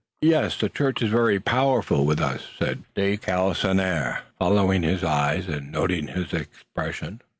"Yes, the church is very powerful with us," said de Galisonnière, following his eyes and noting his expression.